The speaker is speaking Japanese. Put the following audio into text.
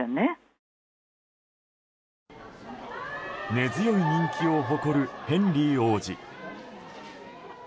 根強い人気を誇るヘンリー王子。